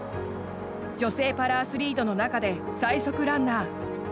女性パラアスリートの中で最速ランナー。